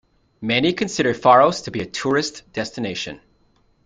Many consider Faros to be a tourist destination.